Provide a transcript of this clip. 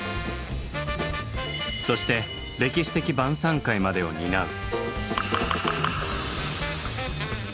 そして歴史的晩餐会までを担う。